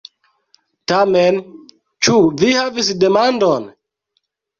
Tamen, ĉu vi havis demandon?